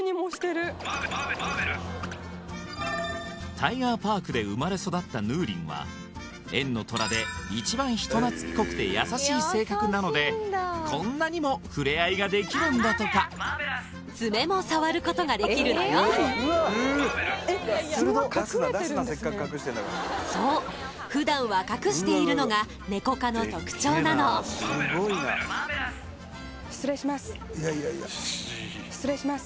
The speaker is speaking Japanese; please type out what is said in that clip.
タイガーパークで生まれ育ったヌーリンは園のトラで一番人懐っこくて優しい性格なのでこんなにも触れ合いができるんだとかそう失礼します